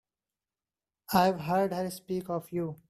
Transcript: I've heard her speak of you.